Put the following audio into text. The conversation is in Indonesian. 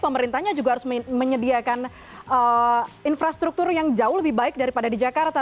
pemerintahnya juga harus menyediakan infrastruktur yang jauh lebih baik daripada di jakarta